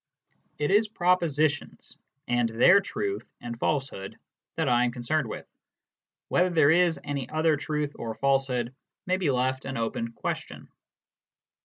It is propositions, and their truth and falsehood, that I am concerned with ; whether there is any other truth or falsehood may be left an open question.